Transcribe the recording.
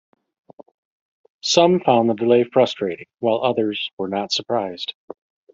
Some found the delay frustrating, while others were not surprised.